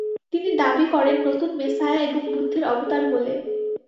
তিনি দাবি করেন নতুন মেসায়া এবং বুদ্ধের অবতার বলে।